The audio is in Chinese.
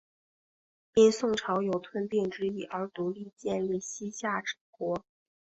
因宋朝有并吞之意而独立建立西夏国。